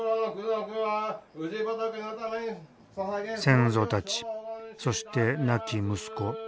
先祖たちそして亡き息子。